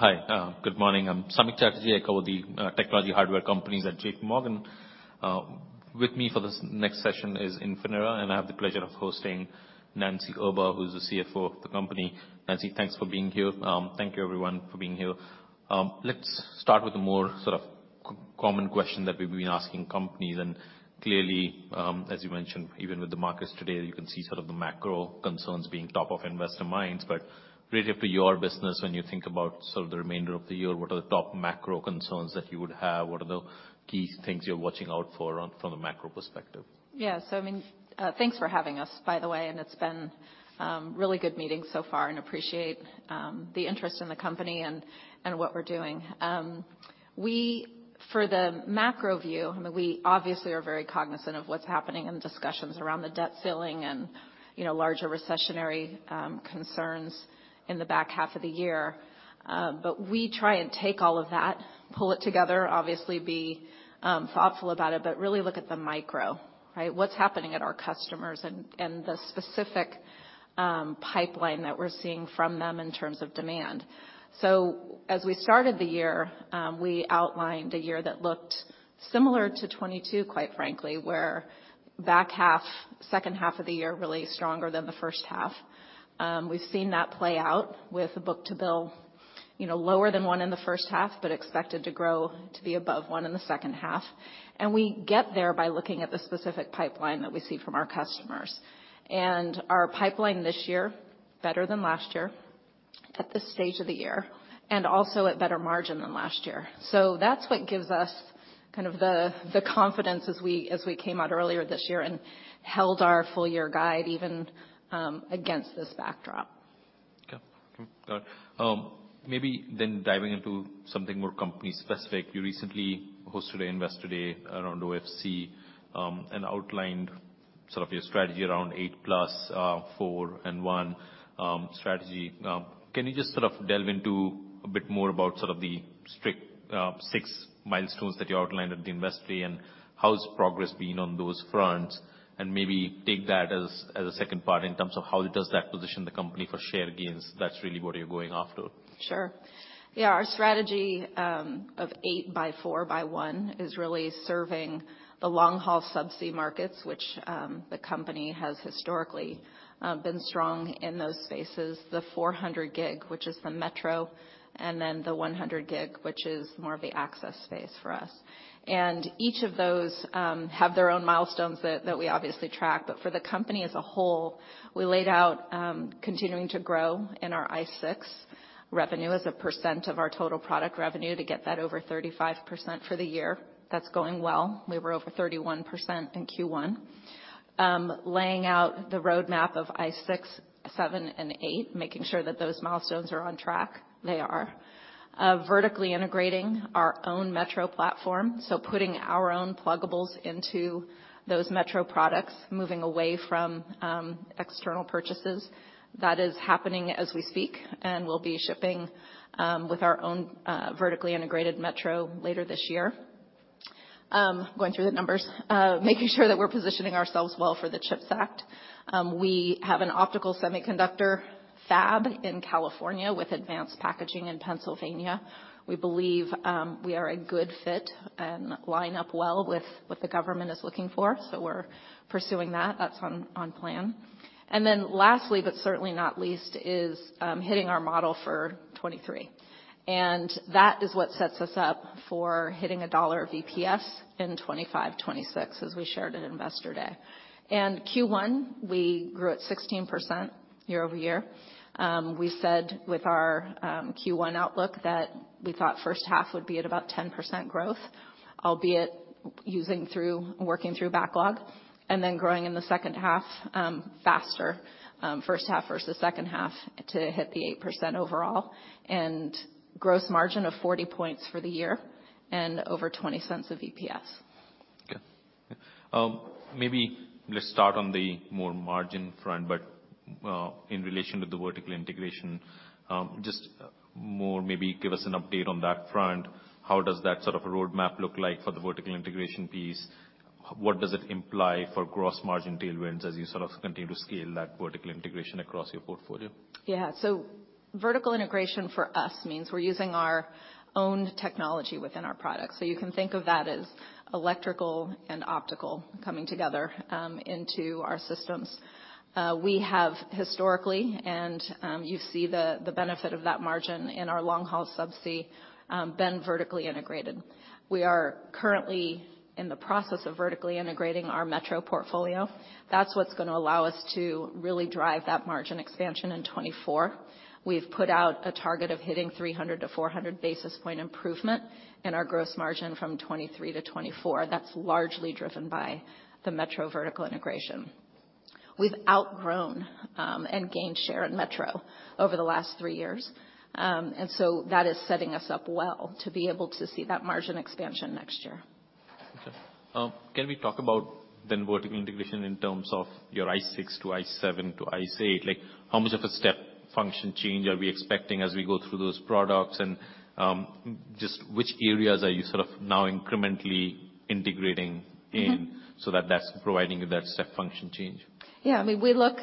Hi. Good morning. I'm Samik Chatterjee. I cover the technology hardware companies at JPMorgan. With me for this next session is Infinera, and I have the pleasure of hosting Nancy Erba, who's the CFO of the company. Nancy, thanks for being here. Thank you everyone for being here. Let's start with a more sort of common question that we've been asking companies. Clearly, as you mentioned, even with the markets today, you can see sort of the macro concerns being top of investor minds. Relative to your business, when you think about sort of the remainder of the year, what are the top macro concerns that you would have? What are the key things you're watching out for from a macro perspective? Yeah. I mean, thanks for having us, by the way, and it's been really good meeting so far and appreciate the interest in the company and what we're doing. I mean, for the macro view, I mean, we obviously are very cognizant of what's happening in the discussions around the debt ceiling and, you know, larger recessionary concerns in the back half of the year. We try and take all of that, pull it together, obviously be thoughtful about it, but really look at the micro, right? What's happening at our customers and the specific pipeline that we're seeing from them in terms of demand. As we started the year, we outlined a year that looked similar to 22, quite frankly, where back half, second half of the year really stronger than the first half. We've seen that play out with the book-to-bill, you know, lower than one in the first half, but expected to grow to be above one in the second half. We get there by looking at the specific pipeline that we see from our customers. Our pipeline this year, better than last year at this stage of the year, and also at better margin than last year. That's what gives us kind of the confidence as we came out earlier this year and held our full year guide even against this backdrop. Okay. Maybe then diving into something more company specific. You recently hosted Investor Day around OFC, and outlined sort of your strategy around 8x4x1 strategy. Can you just sort of delve into a bit more about sort of the strict six milestones that you outlined at the Investor Day, and how's progress been on those fronts? Maybe take that as a second part in terms of how does that position the company for share gains, that's really what you're going after? Sure. Yeah, our strategy of 8x4x1 is really serving the long-haul subsea markets, which the company has historically been strong in those spaces. The 400 Gb, which is the metro, then the 100 Gb, which is more of the access space for us. Each of those have their own milestones that we obviously track. For the company as a whole, we laid out continuing to grow in our ICE6 revenue as a percent of our total product revenue to get that over 35% for the year. That's going well. We were over 31% in Q1. Laying out the roadmap of ICE6, ICE7, and ICE8, making sure that those milestones are on track. They are. Vertically integrating our own metro platform, so putting our own pluggables into those metro products, moving away from external purchases. That is happening as we speak, and we'll be shipping with our own vertically integrated metro later this year. Going through the numbers, making sure that we're positioning ourselves well for the CHIPS Act. We have an optical semiconductor fab in California with advanced packaging in Pennsylvania. We believe we are a good fit and line up well with what the government is looking for, so we're pursuing that. That's on plan. Lastly, but certainly not least, is hitting our model for 23. That is what sets us up for hitting $1 of EPS in 25, 26, as we shared at Investor Day. Q1, we grew at 16% year-over-year. We said with our Q1 outlook that we thought first half would be at about 10% growth, albeit using working through backlog, and then growing in the second half, faster, first half versus second half to hit the 8% overall. Gross margin of 40 points for the year and over $0.20 of EPS. Okay. Maybe let's start on the more margin front, but in relation to the vertical integration, just more maybe give us an update on that front. How does that sort of roadmap look like for the vertical integration piece? What does it imply for gross margin tailwinds as you sort of continue to scale that vertical integration across your portfolio? Vertical integration for us means we're using our own technology within our products. You can think of that as electrical and optical coming together into our systems. We have historically, and you see the benefit of that margin in our long-haul subsea, been vertically integrated. We are currently in the process of vertically integrating our metro portfolio. That's what's gonna allow us to really drive that margin expansion in 2024. We've put out a target of hitting 300-400 basis point improvement in our gross margin from 2023 to 2024. That's largely driven by the metro vertical integration. We've outgrown and gained share in metro over the last three years. That is setting us up well to be able to see that margin expansion next year. Okay. Can we talk about then vertical integration in terms of your ICE6 to ICE7 to ICE8? Like, how much of a step function change are we expecting as we go through those products? Just which areas are you sort of now incrementally integrating in so that that's providing you that step function change? I mean, we look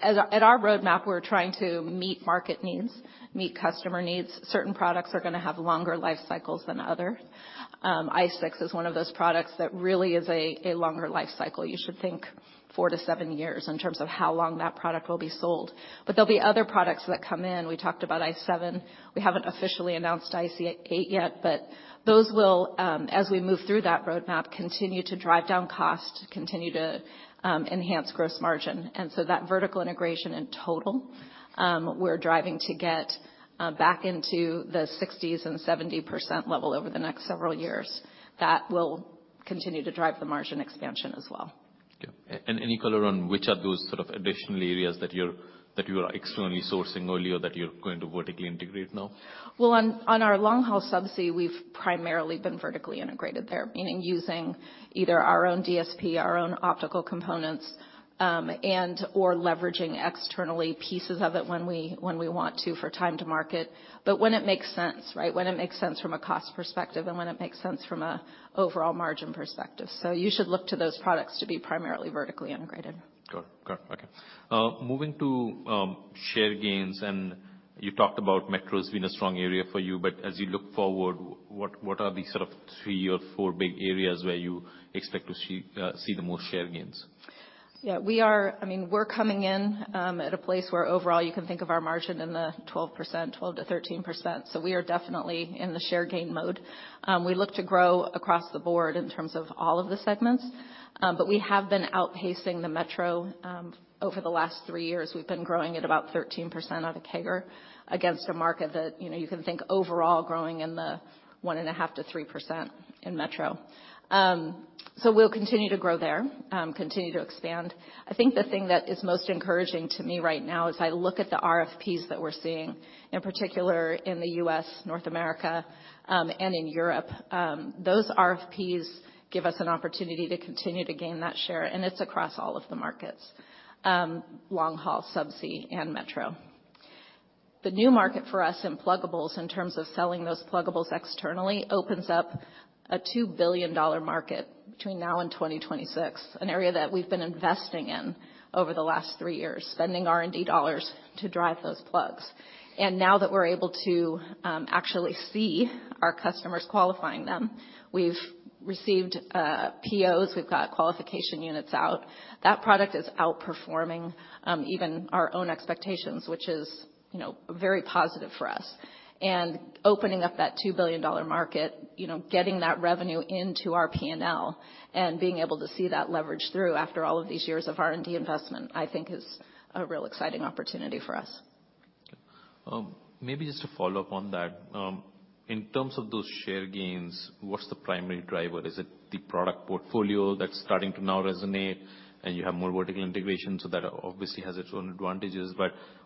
at our roadmap, we're trying to meet market needs, meet customer needs. Certain products are gonna have longer life cycles than others. ICE6 is one of those products that really is a longer life cycle. You should think four-seven years in terms of how long that product will be sold. There'll be other products that come in. We talked about ICE7. We haven't officially announced ICE8 yet, but those will, as we move through that roadmap, continue to drive down cost, continue to enhance gross margin. So that vertical integration in total, we're driving to get back into the 60% and 70% level over the next several years. That will continue to drive the margin expansion as well. Okay. Any color on which are those sort of additional areas that you are externally sourcing early or that you're going to vertically integrate now? On our long-haul subsea, we've primarily been vertically integrated there, meaning using either our own DSP, our own optical components, and/or leveraging externally pieces of it when we want to for time to market, but when it makes sense, right? When it makes sense from a cost perspective and when it makes sense from an overall margin perspective. You should look to those products to be primarily vertically integrated. Got it. Got it. Okay. Moving to share gains, you talked about metro has been a strong area for you. As you look forward, what are the sort of three or four big areas where you expect to see the most share gains? Yeah, I mean, we're coming in at a place where overall you can think of our margin in the 12%, 12%-13%, so we are definitely in the share gain mode. We look to grow across the board in terms of all of the segments, but we have been outpacing the metro over the last two years. We've been growing at about 13% on a CAGR against a market that, you know, you can think overall growing in the 1.5%-3% in metro. We'll continue to grow there, continue to expand. I think the thing that is most encouraging to me right now, as I look at the RFPs that we're seeing, in particular in the U.S., North America, and in Europe, those RFPs give us an opportunity to continue to gain that share. It's across all of the markets, long-haul, subsea, and metro. The new market for us in pluggables, in terms of selling those pluggables externally, opens up a $2 billion market between now and 2026, an area that we've been investing in over the last three years, spending R&D dollars to drive those plugs. Now that we're able to actually see our customers qualifying them, we've received POs, we've got qualification units out. That product is outperforming even our own expectations, which is, you know, very positive for us. Opening up that $2 billion market, you know, getting that revenue into our P&L and being able to see that leverage through after all of these years of R&D investment, I think is a real exciting opportunity for us. Okay. Maybe just to follow up on that. In terms of those share gains, what's the primary driver? Is it the product portfolio that's starting to now resonate and you have more vertical integration, so that obviously has its own advantages,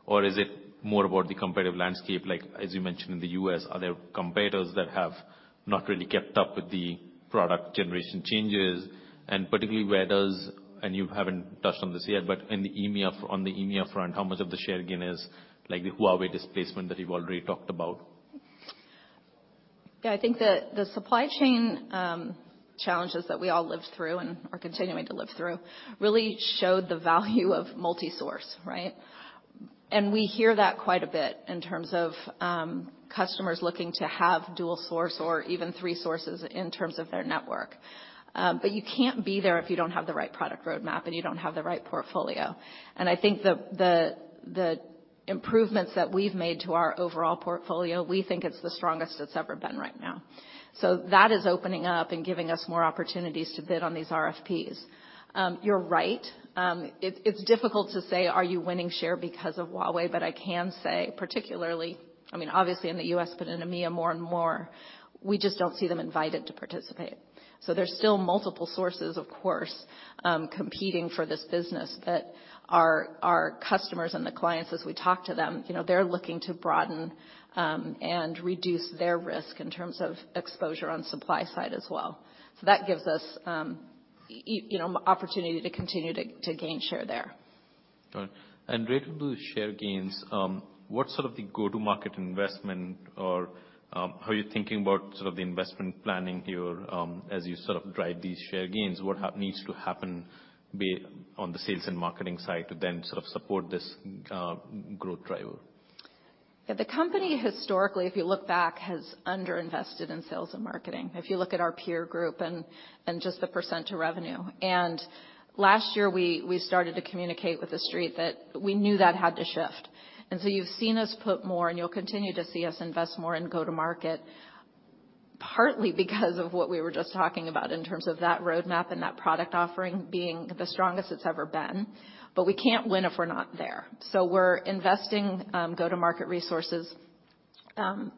or is it more about the competitive landscape, like as you mentioned in the U.S., are there competitors that have not really kept up with the product generation changes? Particularly where does, and you haven't touched on this yet, but on the EMEA front, how much of the share gain is like the Huawei displacement that you've already talked about? Yeah, I think the supply chain challenges that we all lived through and are continuing to live through really showed the value of multi-source, right. We hear that quite a bit in terms of customers looking to have dual source or even three sources in terms of their network. You can't be there if you don't have the right product roadmap and you don't have the right portfolio. I think the improvements that we've made to our overall portfolio, we think it's the strongest it's ever been right now. That is opening up and giving us more opportunities to bid on these RFPs. You're right. It's difficult to say, are you winning share because of Huawei? I can say particularly, I mean, obviously in the U.S., but in EMEA more and more, we just don't see them invited to participate. There's still multiple sources, of course, competing for this business that our customers and the clients, as we talk to them, you know, they're looking to broaden and reduce their risk in terms of exposure on supply side as well. That gives us, you know, opportunity to continue to gain share there. Got it. Related to share gains, what's sort of the go-to-market investment, or, how are you thinking about sort of the investment planning here, as you sort of drive these share gains? What needs to happen be it on the sales and marketing side to then sort of support this, growth driver? Yeah. The company historically, if you look back, has underinvested in sales and marketing, if you look at our peer group and just the % to revenue. Last year, we started to communicate with the street that we knew that had to shift. You've seen us put more, and you'll continue to see us invest more in go-to-market, partly because of what we were just talking about in terms of that roadmap and that product offering being the strongest it's ever been. We can't win if we're not there. We're investing go-to-market resources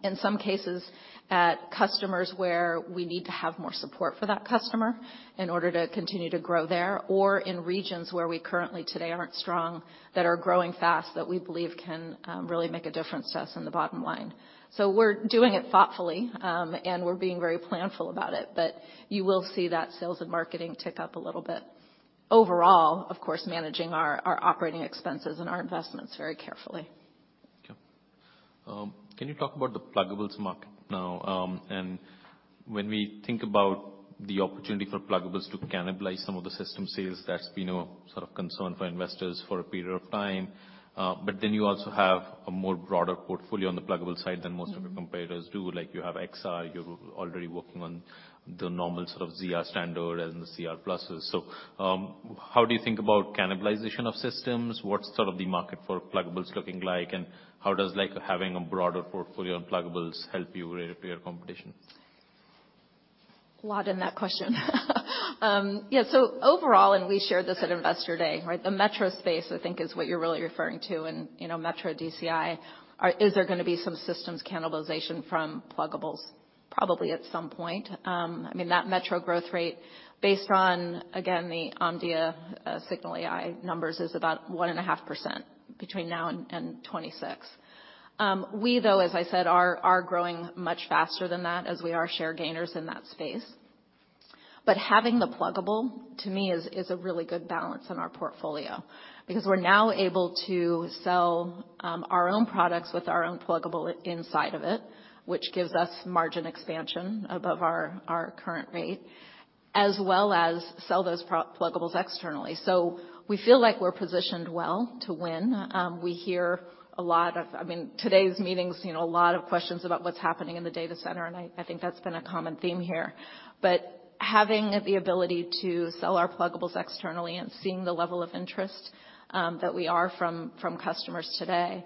in some cases at customers where we need to have more support for that customer in order to continue to grow there, or in regions where we currently today aren't strong, that are growing fast, that we believe can really make a difference to us in the bottom line. We're doing it thoughtfully, and we're being very planful about it, but you will see that sales and marketing tick up a little bit. Overall, of course, managing our operating expenses and our investments very carefully. Can you talk about the pluggables market now, when we think about the opportunity for pluggables to cannibalize some of the system sales, that's been a sort of concern for investors for a period of time? You also have a more broader portfolio on the pluggable side than most of your competitors do. You have XR, you're already working on the normal sort of ZR standard and the ZR+. How do you think about cannibalization of systems? What's sort of the market for pluggables looking like, and how does having a broader portfolio on pluggables help you [repeer] competition? A lot in that question. Overall, and we shared this at Investor Day, right? The metro space, I think, is what you're really referring to and, you know, metro DCI. Is there gonna be some systems cannibalization from pluggables? Probably at some point. I mean, that metro growth rate, based on, again, the Omdia, Cignal AI numbers, is about 1.5% between now and 2026. We though, as I said, are growing much faster than that as we are share gainers in that space. Having the pluggable, to me, is a really good balance in our portfolio because we're now able to sell our own products with our own pluggable inside of it, which gives us margin expansion above our current rate, as well as sell those pluggables externally. We feel like we're positioned well to win. We hear a lot of... I mean, today's meetings, you know, a lot of questions about what's happening in the data center, and I think that's been a common theme here. Having the ability to sell our pluggables externally and seeing the level of interest that we are from customers today,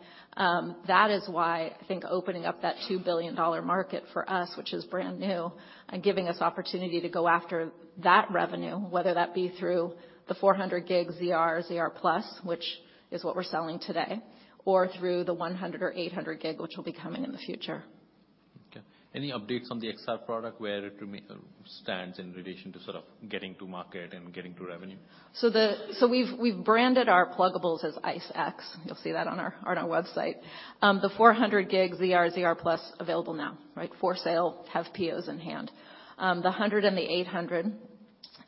that is why I think opening up that $2 billion market for us, which is brand new, and giving us opportunity to go after that revenue, whether that be through the 400 Gb ZR+, which is what we're selling today, or through the 100 Gb or 800 Gb, which will be coming in the future. Okay. Any updates on the XR product, where it stands in relation to sort of getting to market and getting to revenue? We've branded our pluggables as ICE-X. You'll see that on our website. The 400 Gb ZR+ available now, right? For sale, have POs in hand. The 100 and the 800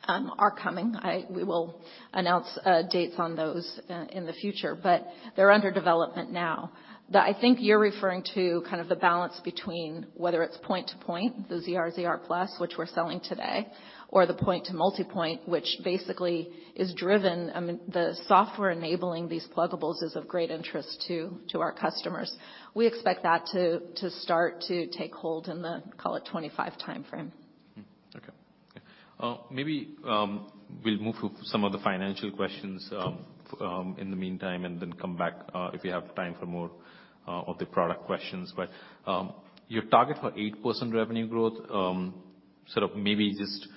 are coming. We will announce dates on those in the future, but they're under development now. I mean, I think you're referring to kind of the balance between whether it's point-to-point, the ZR+, which we're selling today, or the point-to-multipoint, which basically is driven. I mean, the software enabling these pluggables is of great interest to our customers. We expect that to start to take hold in the, call it, 2025 timeframe. Maybe we'll move to some of the financial questions in the meantime, and then come back if we have time for more of the product questions. Your target for 8% revenue growth, sort of maybe just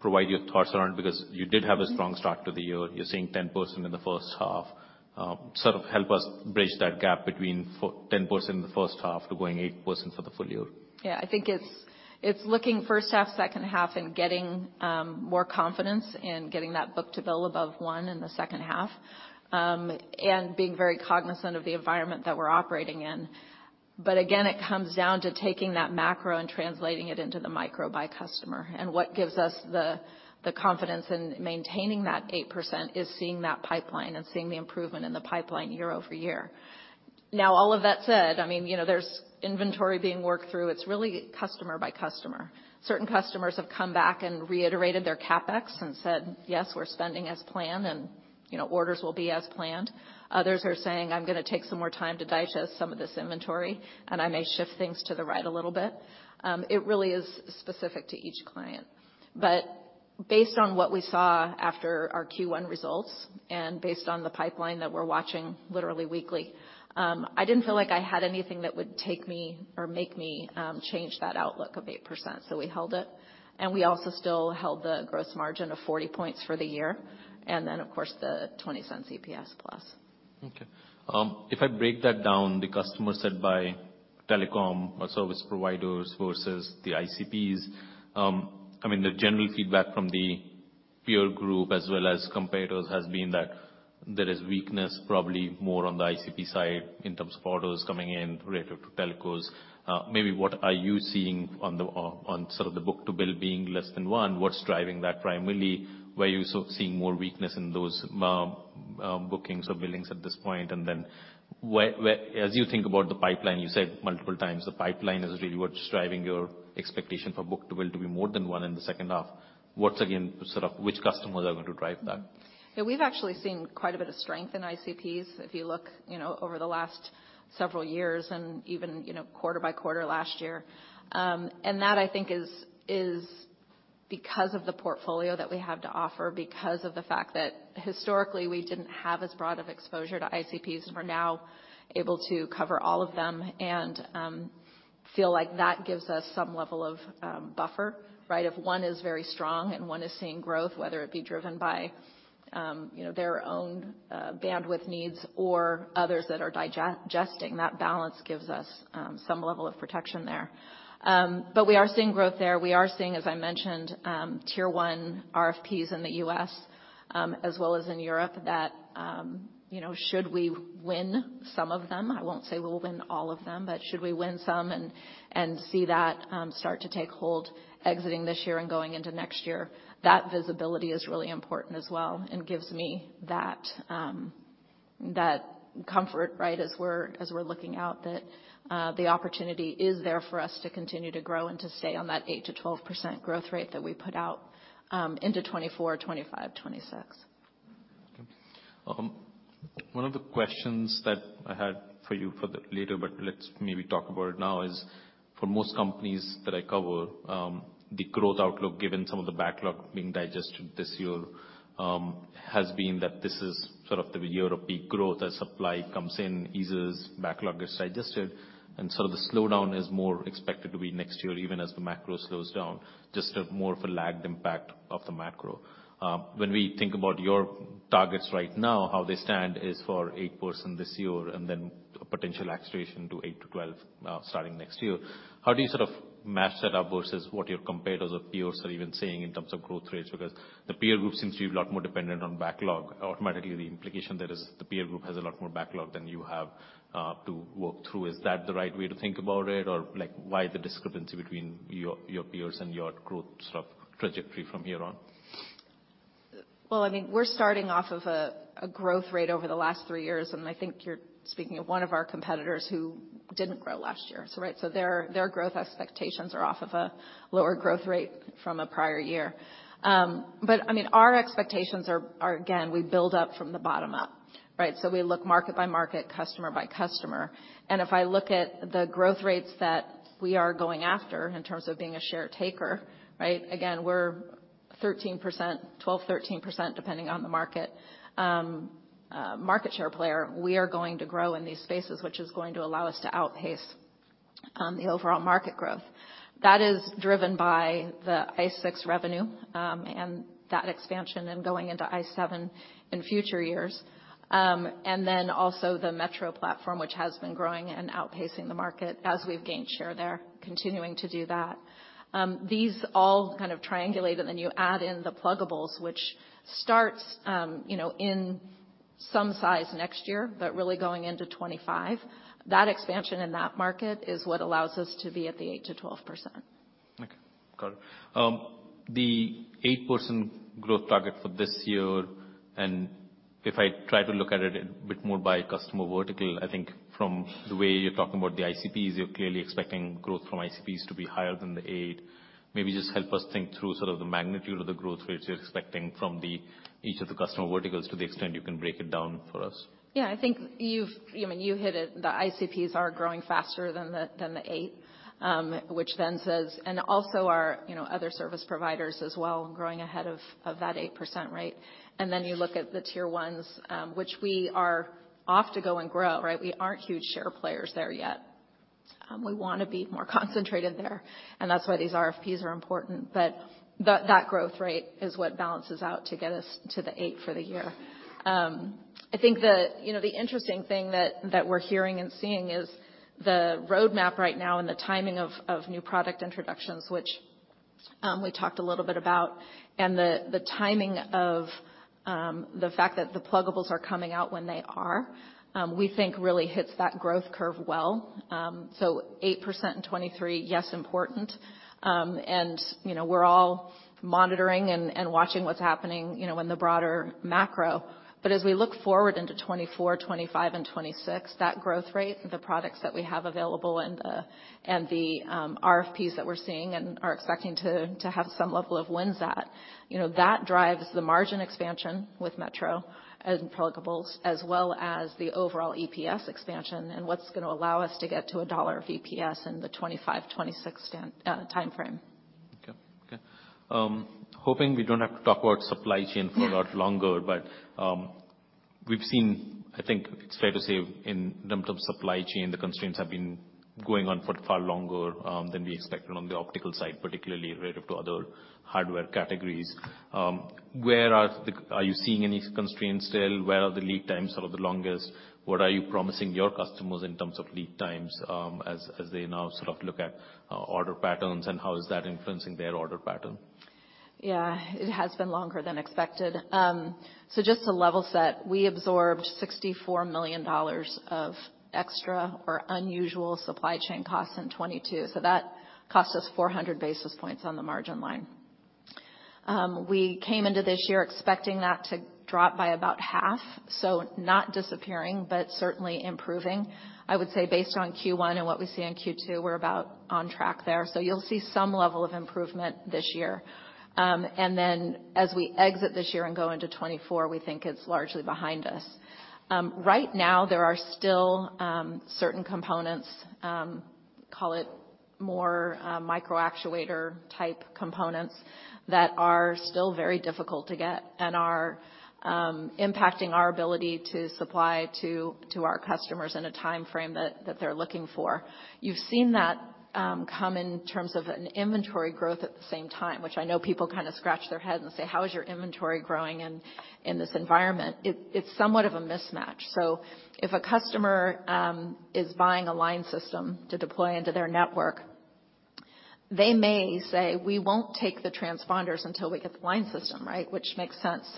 provide your thoughts around because you did have a strong start to the year. You're seeing 10% in the first half. Sort of help us bridge that gap between 10% in the first half to going 8% for the full year. Yeah. I think it's looking first half, second half and getting more confidence in getting that book-to-bill above one in the second half and being very cognizant of the environment that we're operating in. Again, it comes down to taking that macro and translating it into the micro by customer. What gives us the confidence in maintaining that 8% is seeing that pipeline and seeing the improvement in the pipeline year-over-year. All of that said, I mean, you know, there's inventory being worked through. It's really customer by customer. Certain customers have come back and reiterated their CapEx and said, "Yes, we're spending as planned, and you know, orders will be as planned." Others are saying, "I'm gonna take some more time to digest some of this inventory, and I may shift things to the right a little bit." It really is specific to each client. Based on what we saw after our Q1 results and based on the pipeline that we're watching literally weekly, I didn't feel like I had anything that would take me or make me change that outlook of 8%. We held it. We also still held the gross margin of 40 points for the year and then, of course, the $0.20 EPS plus. Okay. If I break that down, the customer set by telecom or service providers versus the ICPs, I mean, the general feedback from the peer group as well as competitors has been that there is weakness probably more on the ICP side in terms of orders coming in related to telcos. Maybe what are you seeing on the book-to-bill being less than one? What's driving that primarily? Where are you seeing more weakness in those bookings or billings at this point? As you think about the pipeline, you said multiple times the pipeline is really what's driving your expectation for book-to-bill to be more than one in the second half. What's, again, sort of which customers are going to drive that? Yeah. We've actually seen quite a bit of strength in ICPs if you look, you know, over the last several years and even, you know, quarter by quarter last year. That I think is because of the portfolio that we have to offer, because of the fact that historically we didn't have as broad of exposure to ICPs, and we're now able to cover all of them and feel like that gives us some level of buffer, right? If one is very strong and one is seeing growth, whether it be driven by, you know, their own bandwidth needs or others that are digesting, that balance gives us some level of protection there. We are seeing growth there. We are seeing, as I mentioned, Tier 1 RFPs in the U.S., as well as in Europe that, you know, should we win some of them, I won't say we'll win all of them, but should we win some and see that, start to take hold exiting this year and going into next year, that visibility is really important as well and gives me that comfort, right? As we're, as we're looking out that, the opportunity is there for us to continue to grow and to stay on that 8%-12% growth rate that we put out, into 2024, 2025, 2026. One of the questions that I had for you for the later, but let's maybe talk about it now, is for most companies that I cover, the growth outlook, given some of the backlog being digested this year, has been that this is sort of the year of peak growth as supply comes in, eases, backlog is digested, and sort of the slowdown is more expected to be next year, even as the macro slows down, just a more of a lagged impact of the macro. When we think about your targets right now, how they stand is for 8% this year, and then potential acceleration to 8%-12%, starting next year. How do you sort of match that up versus what your competitors or peers are even seeing in terms of growth rates? The peer group seems to be a lot more dependent on backlog. Automatically, the implication there is the peer group has a lot more backlog than you have to work through. Is that the right way to think about it? Like, why the discrepancy between your peers and your growth sort of trajectory from here on? Well, I mean, we're starting off of a growth rate over the last three years. I think you're speaking of one of our competitors who didn't grow last year, so, right? Their growth expectations are off of a lower growth rate from a prior year. I mean, our expectations are again, we build up from the bottom up, right? We look market by market, customer by customer. If I look at the growth rates that we are going after in terms of being a share taker, right? Again, we're 13%, 12%, 13%, depending on the market share player. We are going to grow in these spaces, which is going to allow us to outpace the overall market growth. That is driven by the ICE6 revenue, and that expansion and going into ICE7 in future years. Also the metro platform, which has been growing and outpacing the market as we've gained share there, continuing to do that. These all kind of triangulate, and then you add in the pluggables, which starts, you know, in some size next year, but really going into 2025. That expansion in that market is what allows us to be at the 8%-12%. Okay. Got it. The 8% growth target for this year, if I try to look at it a bit more by customer vertical, I think from the way you're talking about the ICPs, you're clearly expecting growth from ICPs to be higher than the 8%. Maybe just help us think through sort of the magnitude of the growth rates you're expecting from the each of the customer verticals to the extent you can break it down for us. Yeah. I think you've, I mean, you hit it. The ICPs are growing faster than the 8%, which then says... Also our, you know, other service providers as well, growing ahead of that 8% rate. Then you look at the tier ones, which we are off to go and grow, right? We aren't huge share players there yet. We wanna be more concentrated there, that's why these RFPs are important. That growth rate is what balances out to get us to the 8% for the year. I think the, you know, the interesting thing that we're hearing and seeing is the roadmap right now and the timing of new product introductions, which we talked a little bit about, and the timing of the fact that the pluggables are coming out when they are, we think really hits that growth curve well. 8% in 2023, yes, important. And, you know, we're all monitoring and watching what's happening, you know, in the broader macro. As we look forward into 2024, 2025, and 2026, that growth rate, the products that we have available and the RFPs that we're seeing and are expecting to have some level of wins at, you know, that drives the margin expansion with metro as in pluggables, as well as the overall EPS expansion and what's gonna allow us to get to $1 of EPS in the 2025-2026 timeframe. Okay. Okay. Hoping we don't have to talk about supply chain for a lot longer, we've seen, I think it's fair to say in terms of supply chain, the constraints have been going on for far longer than we expected on the optical side, particularly relative to other hardware categories. Are you seeing any constraints still? Where are the lead times sort of the longest? What are you promising your customers in terms of lead times, as they now sort of look at order patterns, and how is that influencing their order pattern? Yeah, it has been longer than expected. Just to level set, we absorbed $64 million of extra or unusual supply chain costs in 2022, so that cost us 400 basis points on the margin line. We came into this year expecting that to drop by about half, so not disappearing, but certainly improving. I would say based on Q1 and what we see in Q2, we're about on track there. You'll see some level of improvement this year. Then as we exit this year and go into 2024, we think it's largely behind us. Right now there are still certain components, call it more, microactuator-type components that are still very difficult to get and are impacting our ability to supply to our customers in a timeframe that they're looking for. You've seen that come in terms of an inventory growth at the same time, which I know people kind of scratch their head and say, "How is your inventory growing in this environment?" It, it's somewhat of a mismatch. If a customer is buying a line system to deploy into their network, they may say, "We won't take the transponders until we get the line system," right? Which makes sense.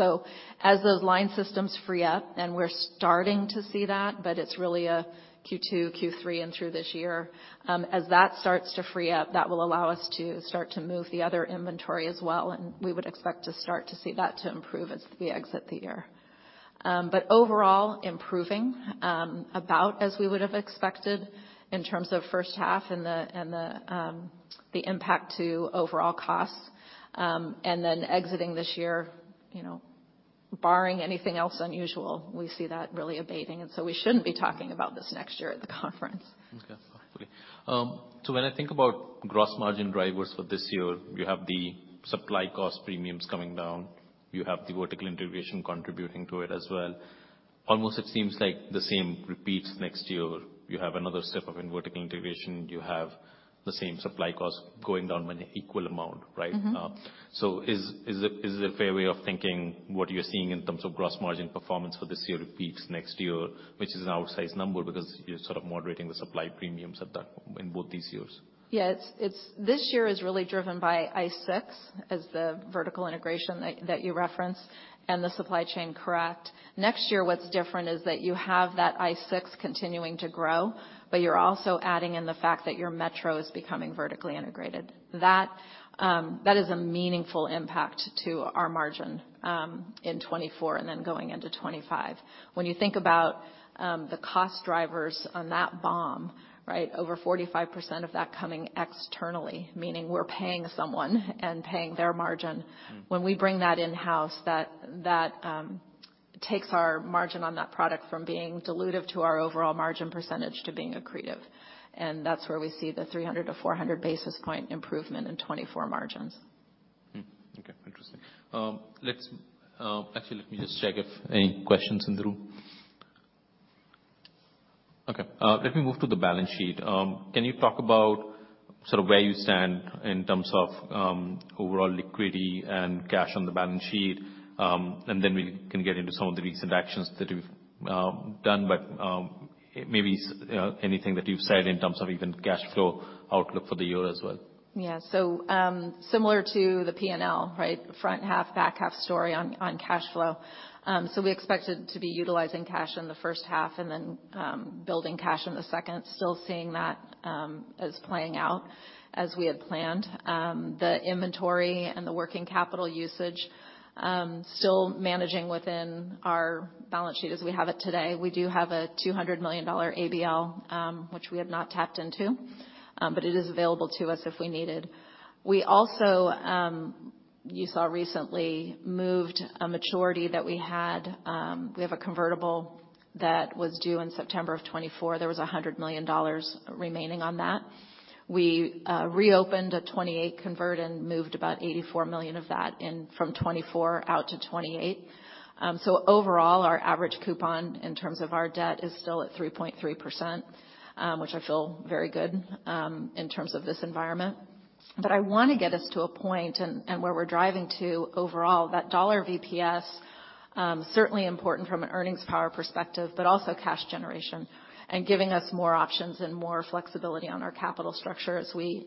As those line systems free up, and we're starting to see that, but it's really a Q2, Q3, and through this year, as that starts to free up, that will allow us to start to move the other inventory as well, and we would expect to start to see that to improve as we exit the year. Overall improving, about as we would have expected in terms of first half and the, and the impact to overall costs. Exiting this year, you know, barring anything else unusual, we see that really abating, we shouldn't be talking about this next year at the conference. When I think about gross margin drivers for this year, you have the supply cost premiums coming down, you have the vertical integration contributing to it as well. Almost it seems like the same repeats next year. You have another step of in vertical integration, you have the same supply costs going down an equal amount, right? Mm-hmm. Is it a fair way of thinking what you're seeing in terms of gross margin performance for this year repeats next year, which is an outsized number because you're sort of moderating the supply premiums in both these years? Yeah. It's This year is really driven by ICE6 as the vertical integration that you referenced, and the supply chain, correct. Next year, what's different is that you have that ICE6 continuing to grow, but you're also adding in the fact that your metro is becoming vertically integrated. That is a meaningful impact to our margin in 2024 and then going into 2025. When you think about the cost drivers on that BOM, right? Over 45% of that coming externally, meaning we're paying someone and paying their margin. Mm. When we bring that in-house, that takes our margin on that product from being dilutive to our overall margin percentage to being accretive. That's where we see the 300 to 400 basis point improvement in 2024 margins. Okay. Interesting. Actually, let me just check if any questions in the room. Okay. Let me move to the balance sheet. Can you talk about sort of where you stand in terms of overall liquidity and cash on the balance sheet? We can get into some of the recent actions that you've done, maybe, you know, anything that you've said in terms of even cash flow outlook for the year as well. Yeah. Similar to the P&L, right? Front half, back half story on cash flow. We expected to be utilizing cash in the first half and then, building cash in the second. Still seeing that, as playing out as we had planned. The inventory and the working capital usage, still managing within our balance sheet as we have it today. We do have a $200 million ABL, which we have not tapped into, but it is available to us if we need it. We also, you saw recently moved a maturity that we had. We have a convertible that was due in September of 2024. There was $100 million remaining on that. We reopened a 2028 convertible and moved about $84 million of that in from 2024 out to 2028. Overall, our average coupon in terms of our debt is still at 3.3%, which I feel very good in terms of this environment. I wanna get us to a point and where we're driving to overall that dollar EPS, certainly important from an earnings power perspective, but also cash generation and giving us more options and more flexibility on our capital structure as we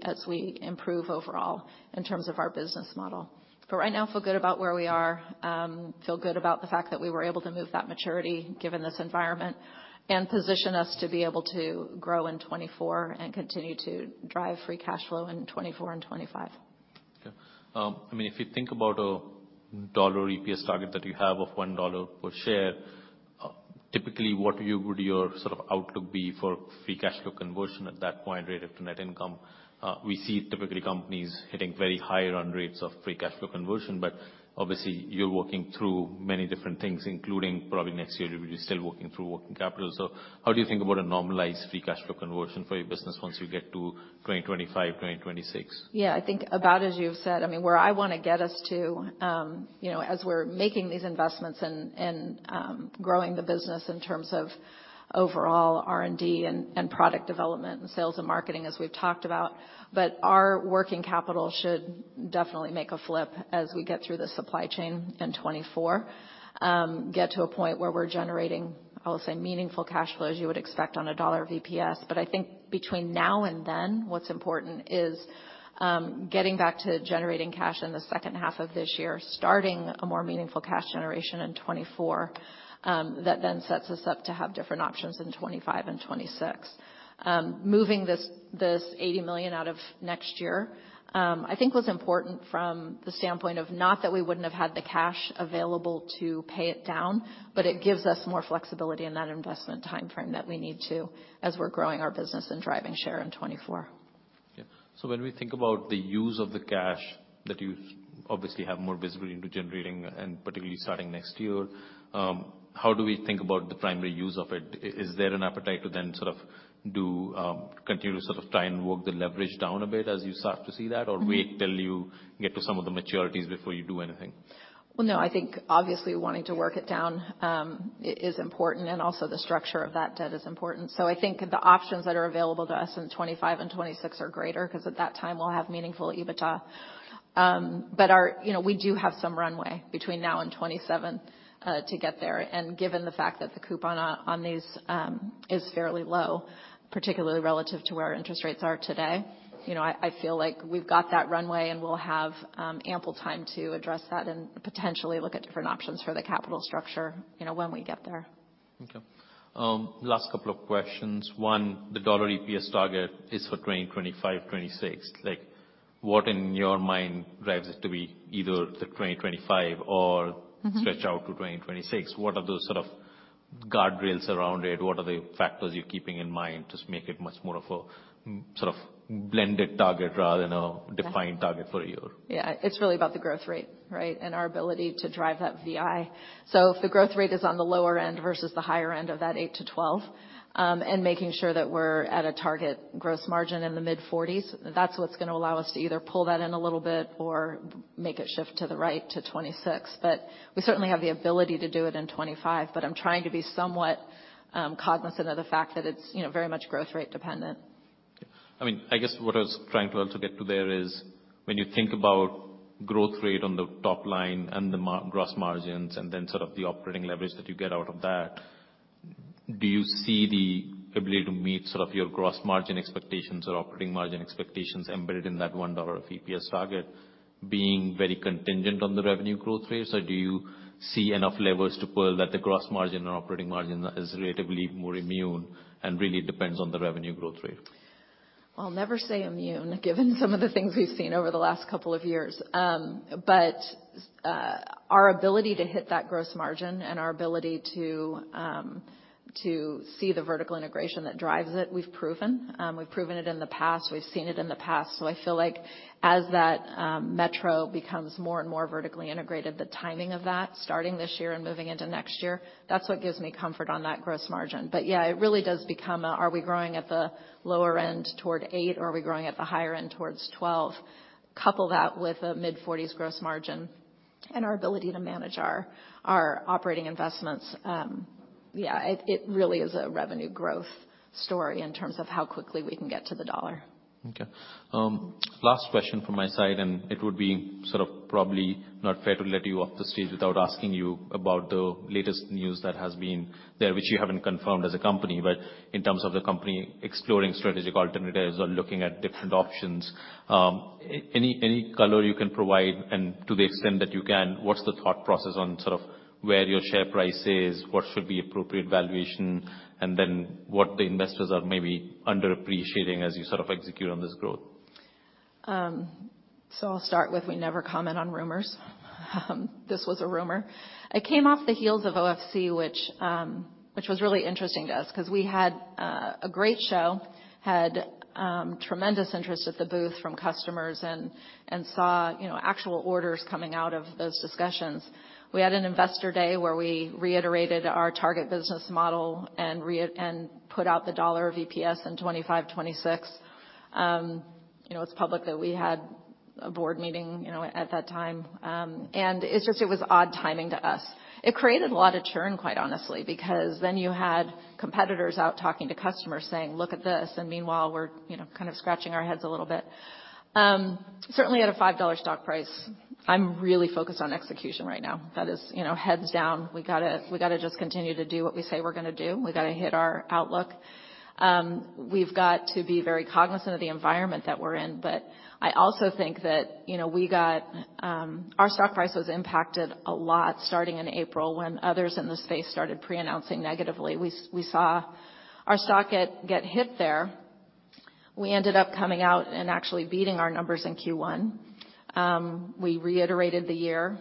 improve overall in terms of our business model. Right now, feel good about where we are. Feel good about the fact that we were able to move that maturity given this environment and position us to be able to grow in 2024 and continue to drive free cash flow in 2024 and 2025. I mean, if you think about a $1 EPS target that you have of $1 per share, typically, what would your sort of outlook be for free cash flow conversion at that point, rate of net income? We see typically companies hitting very high on rates of free cash flow conversion, obviously, you're working through many different things, including probably next year, you'll be still working through working capital. How do you think about a normalized free cash flow conversion for your business once you get to 2025, 2026? Yeah. I think about as you've said, I mean, where I wanna get us to, you know, as we're making these investments and, growing the business in terms of overall R&D and product development and sales and marketing as we've talked about. Our working capital should definitely make a flip as we get through the supply chain in 2024. Get to a point where we're generating, I'll say, meaningful cash flow as you would expect on a dollar EPS. I think between now and then, what's important is, getting back to generating cash in the second half of this year, starting a more meaningful cash generation in 2024, that then sets us up to have different options in 2025 and 2026. Moving this $80 million out of next year, I think was important from the standpoint of not that we wouldn't have had the cash available to pay it down, but it gives us more flexibility in that investment timeframe that we need to as we're growing our business and driving share in 2024. Yeah. When we think about the use of the cash that you obviously have more visibility into generating and particularly starting next year, how do we think about the primary use of it? Is there an appetite to then sort of do, continue to sort of try and work the leverage down a bit as you start to see that... Mm-hmm. Wait till you get to some of the maturities before you do anything? No, I think obviously wanting to work it down is important, and also the structure of that debt is important. I think the options that are available to us in 2025 and 2026 are greater 'cause at that time, we'll have meaningful EBITDA. You know, we do have some runway between now and 2027 to get there. Given the fact that the coupon on these is fairly low, particularly relative to where our interest rates are today, you know, I feel like we've got that runway, and we'll have ample time to address that and potentially look at different options for the capital structure, you know, when we get there. Okay. Last couple of questions. One, the dollar EPS target is for 2025, 2026. Like, what in your mind drives it to be either the 2025 or? Mm-hmm... stretch out to 2026? What are those sort of guardrails around it? What are the factors you're keeping in mind, just make it much more of a sort of blended target rather than a- Yeah defined target for you? It's really about the growth rate, right? And our ability to drive that VI. If the growth rate is on the lower end versus the higher end of that 8%-12%, and making sure that we're at a target gross margin in the mid-forties, that's what's gonna allow us to either pull that in a little bit or make it shift to the right to 2026. We certainly have the ability to do it in 2025, but I'm trying to be somewhat cognizant of the fact that it's, you know, very much growth rate dependent. I mean, I guess what I was trying to also get to there is when you think about growth rate on the top line and the gross margins and then sort of the operating leverage that you get out of that, do you see the ability to meet sort of your gross margin expectations or operating margin expectations embedded in that $1 of EPS target being very contingent on the revenue growth rates? Do you see enough levers to pull that the gross margin and operating margin is relatively more immune and really depends on the revenue growth rate? I'll never say immune, given some of the things we've seen over the last couple of years. Our ability to hit that gross margin and our ability to see the vertical integration that drives it, we've proven. We've proven it in the past. We've seen it in the past. I feel like as that metro becomes more and more vertically integrated, the timing of that, starting this year and moving into next year, that's what gives me comfort on that gross margin. Yeah, it really does become a, are we growing at the lower end toward 8%, or are we growing at the higher end towards 12%? Couple that with a mid-40s gross margin and our ability to manage our operating investments. Yeah, it really is a revenue growth story in terms of how quickly we can get to the dollar. Okay. Last question from my side, and it would be sort of probably not fair to let you off the stage without asking you about the latest news that has been there, which you haven't confirmed as a company, but in terms of the company exploring strategic alternatives or looking at different options. Any, any color you can provide? To the extent that you can, what's the thought process on sort of where your share price is? What should be appropriate valuation? What the investors are maybe underappreciating as you sort of execute on this growth. I'll start with we never comment on rumors. This was a rumor. It came off the heels of OFC, which was really interesting to us 'cause we had a great show, had tremendous interest at the booth from customers and saw, you know, actual orders coming out of those discussions. We had an investor day where we reiterated our target business model and put out the $1 of EPS in 2025, 2026. You know, it's public that we had a board meeting, you know, at that time. It's just, it was odd timing to us. It created a lot of churn, quite honestly, because then you had competitors out talking to customers saying, "Look at this." Meanwhile, we're, you know, kind of scratching our heads a little bit. Certainly at a $5 stock price, I'm really focused on execution right now. That is, you know, heads down. We gotta, we gotta just continue to do what we say we're gonna do. We gotta hit our outlook. We've got to be very cognizant of the environment that we're in, but I also think that, you know, we got. Our stock price was impacted a lot starting in April when others in the space started pre-announcing negatively. We saw our stock get hit there. We ended up coming out and actually beating our numbers in Q1. We reiterated the year.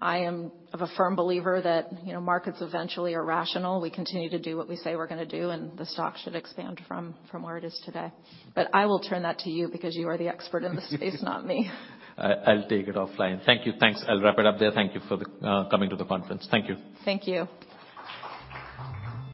I am of a firm believer that, you know, markets eventually are rational. We continue to do what we say we're gonna do, and the stock should expand from where it is today. I will turn that to you because you are the expert in the space, not me. I'll take it offline. Thank you. Thanks. I'll wrap it up there. Thank you for the coming to the conference. Thank you. Thank you.